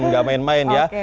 gak main main ya